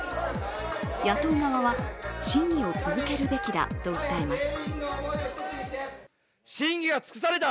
野党側は、審議を続けるべきだと訴えます。